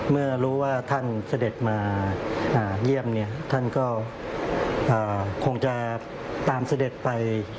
เมื่อรู้ว่าท่านเสด็จมาเยี่ยมท่านก็คงจะตามเสด็จไป